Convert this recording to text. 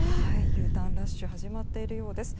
Ｕターンラッシュが始まっているようです。